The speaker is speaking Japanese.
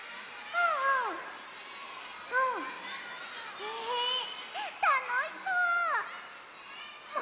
へえたのしそう！